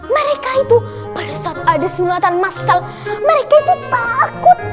mereka itu pada saat ada sunatan masal mereka itu takut